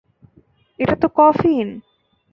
এটা তো কফিন!